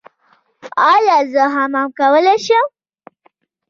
ایا زه حمام کولی شم؟